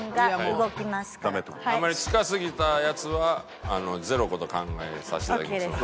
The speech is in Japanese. あんまり近すぎたやつは０個と考えさせていただきます。